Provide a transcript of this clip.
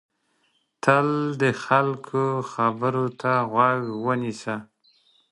تل د خلکو خبرو ته غوږ ونیسئ.